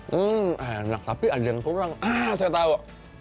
hmm enak tapi ada yang kurang ah saya tahu